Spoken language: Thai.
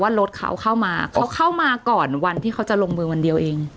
รถเขาเข้ามาเขาเข้ามาก่อนวันที่เขาจะลงมือวันเดียวเอง